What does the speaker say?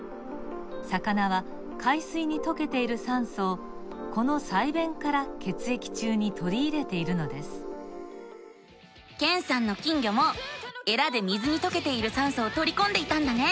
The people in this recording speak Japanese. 魚は海水にとけている酸素をこの鰓弁から血液中にとりいれているのですけんさんの金魚もえらで水にとけている酸素をとりこんでいたんだね。